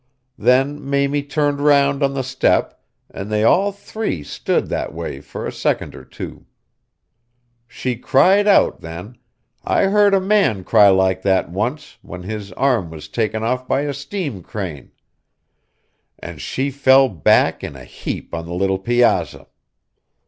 Then Mamie turned round on the step, and they all three stood that way for a second or two. She cried out then, I heard a man cry like that once, when his arm was taken off by a steam crane, and she fell back in a heap on the little piazza.